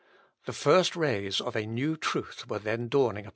The first rays of a new truth were then dawning upon him.